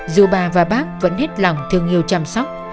dù bà và bác vẫn hết lòng thương yêu chăm sóc